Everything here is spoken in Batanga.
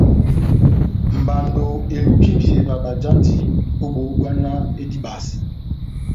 Mbando elukindi iyeva bajanji ó bohó bbwá náh edibase.